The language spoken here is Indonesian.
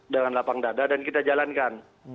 dengan lapang dada dan kita jalankan